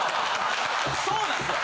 そうなんすよ。